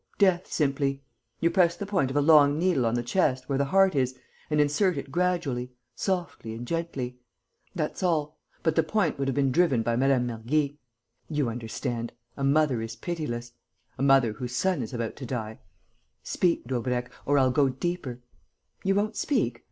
Death, simply.... You press the point of a long needle on the chest, where the heart is, and insert it gradually, softly and gently. That's all but the point would have been driven by Mme. Mergy. You understand: a mother is pitiless, a mother whose son is about to die!... 'Speak, Daubrecq, or I'll go deeper.... You won't speak?...